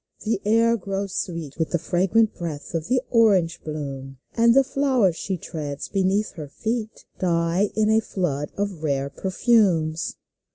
The air grows sweet With the fragrant breath of the orange blooms, And the flowers she treads beneath her feet Die in a flood of rare perfumes